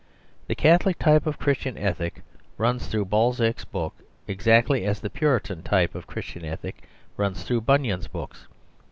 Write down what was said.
The Catholic type of Christian ethics runs through Balzac's books, exactly as the Puritan type of Christian ethics runs through Bunyan's books.